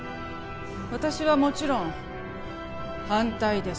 私はもちろん反対です